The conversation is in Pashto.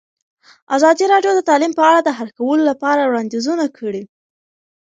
ازادي راډیو د تعلیم په اړه د حل کولو لپاره وړاندیزونه کړي.